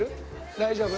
大丈夫？